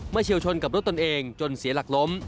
เฉียวชนกับรถตนเองจนเสียหลักล้ม